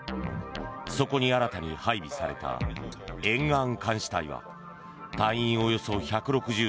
そこに新たに配備された沿岸監視隊は隊員およそ１６０人。